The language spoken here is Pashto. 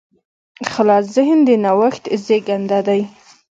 خلاص ذهن د نوښت زېږنده دی.